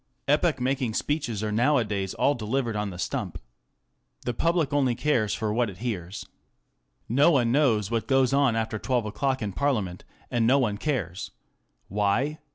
Epoch making speeches are nowadays all delivered on the stump. The public only cares for what it hears. No one knows what goes on after twelve o'clock in Parliament, and no one cares. Why